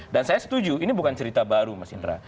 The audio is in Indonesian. dan saya setuju ini bukan cerita baru mas indra